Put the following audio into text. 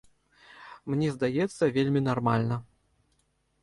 Мне здаецца, вельмі нармальна.